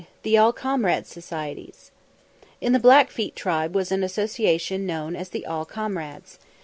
THE ALL COMRADES SOCIETIES In the Blackfeet tribe was an association known as the All Comrades.